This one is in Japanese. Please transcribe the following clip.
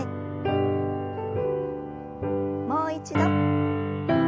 もう一度。